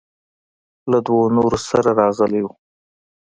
له دوو نورو سره راغلى و.